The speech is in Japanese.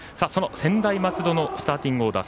専大松戸のスターティングオーダー。